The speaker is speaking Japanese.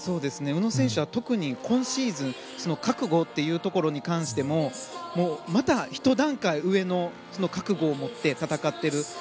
宇野選手は今シーズン覚悟というところに関してもまたひと段階上の覚悟を持って戦っている。